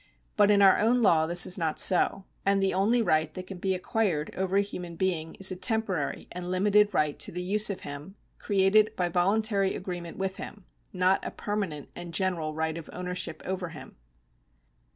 But in our own law this is not so, and the only right that can be acquired over a human being is a temporary and limited right to the use of him, created by voluntary agreement with him — not a permanent and general right of ownership over him.